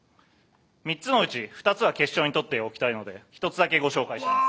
３つのうち２つは決勝に取っておきたいので１つだけご紹介します。